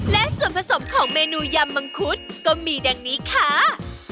และส่วนผสมของเมนูยำมังคุดก็มีดังนี้ค่ะ